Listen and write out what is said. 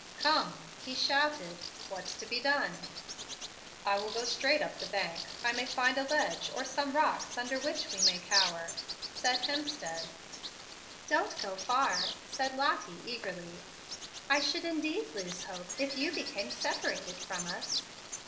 "Come," he shouted, "what's to be done?" "I will go straight up the bank. I may find a ledge, or some rocks, under which we may cower," said Hemstead. "Don't go far," said Lottie, eagerly. "I should, indeed, lose hope, if you became separated from us."